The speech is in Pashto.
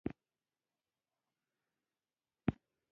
دا هغه پروپاګند دی چې د روحانیت له ادرسه خپرېږي.